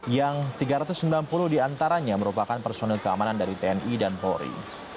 yang tiga ratus sembilan puluh diantaranya merupakan personil keamanan dari tni dan polri